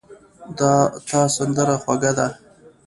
د تا سندره خوږه ده